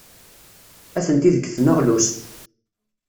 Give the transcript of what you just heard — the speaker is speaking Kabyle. Atenti deg tneɣlust.